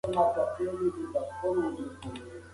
د ټولنیزو نهادونو اړتیا مه ردوه.